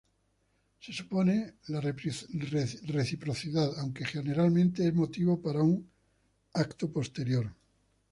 Se supone la reciprocidad, aunque generalmente es motivo para un evento posterior.